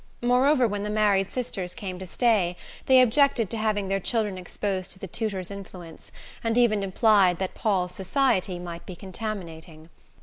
Moreover, when the married sisters came to stay they objected to having their children exposed to the tutor's influence, and even implied that Paul's society might be contaminating.